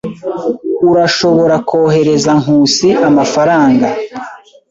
Urashobora kohereza Nkusi amafaranga.